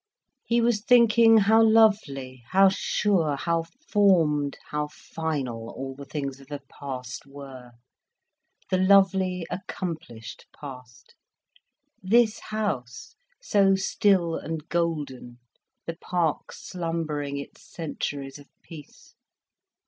He was thinking how lovely, how sure, how formed, how final all the things of the past were—the lovely accomplished past—this house, so still and golden, the park slumbering its centuries of peace.